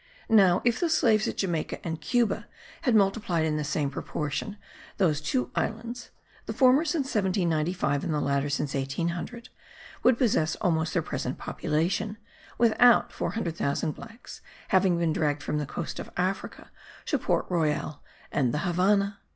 Now, if the slaves at Jamaica and Cuba had multiplied in the same proportion, those two islands (the former since 1795, and the latter since 1800) would possess almost their present population, without 400,000 blacks having been dragged from the coast of Africa, to Port Royal and the Havannah.